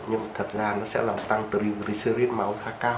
nhưng thật ra nó sẽ làm tăng triglycerides máu khá cao